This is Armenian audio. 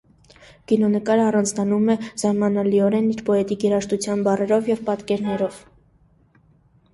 Կինոնկարը առանձնանում է զարմանալիորեն իր պոետիկ երաժշտության բառերով և պատկերներով։